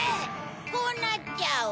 こうなっちゃう。